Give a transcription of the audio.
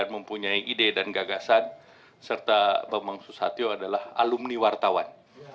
dia mempunyai ide dan gagasan yang baik serta bambang susatyo adalah alumni wartawan